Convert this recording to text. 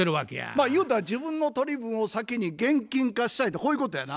まあ言うたら自分の取り分を先に現金化したいとこういうことやな。